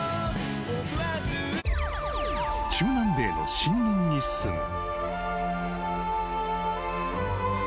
［中南米の森林にすむ］